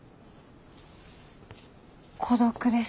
孤独です。